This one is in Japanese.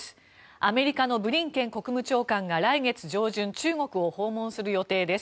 アメリカのブリンケン国務長官が来月上旬中国を訪問する予定です。